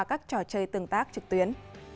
các trò chơi tương tác trực tuyến